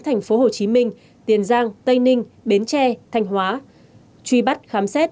thành phố hồ chí minh tiền giang tây ninh bến tre thanh hóa truy bắt khám xét